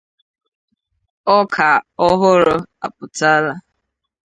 Ọka Ọhụrụ Apụtala